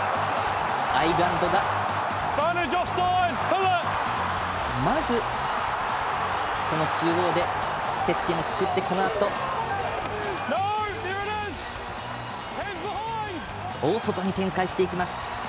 アイルランドが、まず中央で接点を作って、このあと大外に展開していきます。